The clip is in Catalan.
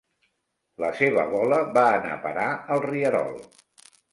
La seva bola va anar a parar al rierol.